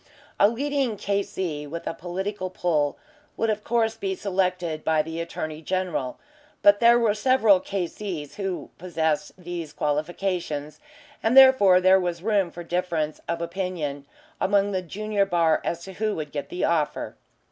A leading K.C. with a political pull would of course be selected by the Attorney General, but there were several K.C.'s who possessed these qualifications, and therefore there was room for differences of opinion among the junior bar as to who would get the offer.